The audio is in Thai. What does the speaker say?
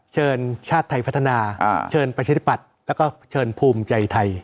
ชาติไทยพัฒนาเชิญประชาธิปัตย์แล้วก็เชิญภูมิใจไทย